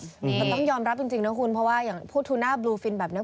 แต่ต้องยอมรับจริงนะคุณเพราะว่าอย่างพูดทูน่าบลูฟินแบบนี้